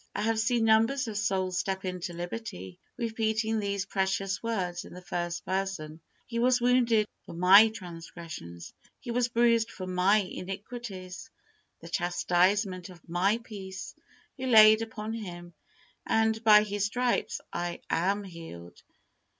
I have seen numbers of souls step into liberty repeating these precious words in the first person, "He was wounded for my transgressions, He was bruised for my iniquities, the chastisement of my peace was laid upon Him, and by His stripes I am healed."